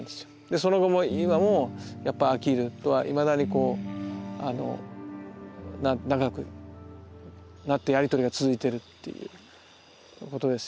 その後も今もやっぱアキールとはいまだに仲良くなってやり取りが続いてるっていうことですよね。